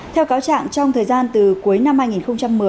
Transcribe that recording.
theo cáo trạng trong thời gian từ cuối năm hai nghìn một mươi